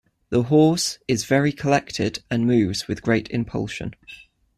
The horse is very collected and moves with great impulsion.